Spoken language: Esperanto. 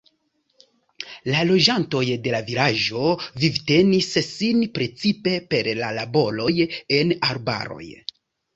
La loĝantoj de la vilaĝo vivtenis sin precipe per laboroj en arbaroj.